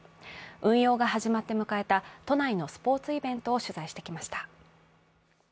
運用が始まって迎えた都内のスポーツイベントを取材してきました。